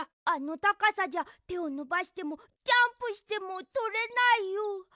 あのたかさじゃてをのばしてもジャンプしてもとれないよ。